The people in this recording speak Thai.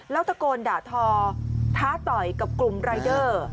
แล้วตะโกนด่าทอท้าต่อยกับกลุ่มรายเดอร์